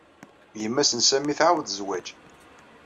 Yemma-s n Sami tɛawed zwaǧǧ.